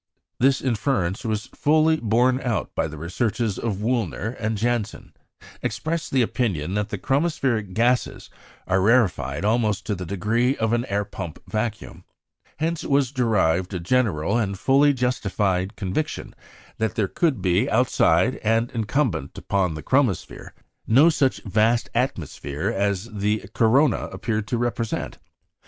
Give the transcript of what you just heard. This inference was fully borne out by the researches of Wüllner; and Janssen expressed the opinion that the chromospheric gases are rarefied almost to the degree of an air pump vacuum. Hence was derived a general and fully justified conviction that there could be outside, and incumbent upon the chromosphere, no such vast atmosphere as the corona appeared to represent.